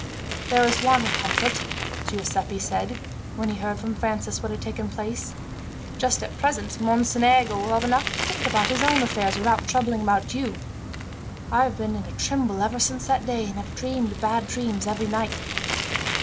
"There is one comfort," Giuseppi said, when he heard from Francis what had taken place. "Just at present, Mocenigo will have enough to think about his own affairs without troubling about you. I have been in a tremble ever since that day, and have dreamed bad dreams every night."